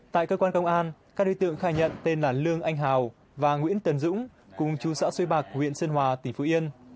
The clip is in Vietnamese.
tại cơ quan công an các đối tượng khai nhận tên là lương anh hào và nguyễn tấn dũng cùng chú xã xuê bạc huyện sơn hòa tỉnh phú yên